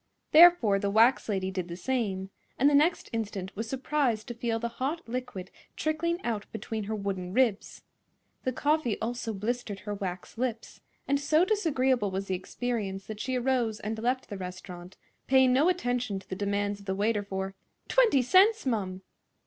Therefore the wax lady did the same, and the next instant was surprised to feel the hot liquid trickling out between her wooden ribs. The coffee also blistered her wax lips, and so disagreeable was the experience that she arose and left the restaurant, paying no attention to the demands of the waiter for "20 cents, mum."